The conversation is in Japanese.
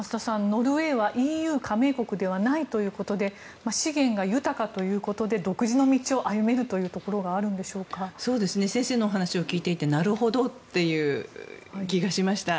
ノルウェーはＥＵ加盟国ではないということで資源が豊かということで独自の道を歩めるというところが先生のお話を聞いていてなるほどという気がしました。